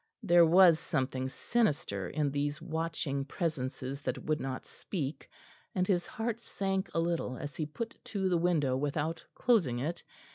There was something sinister in these watching presences that would not speak, and his heart sank a little as he put to the window without closing it.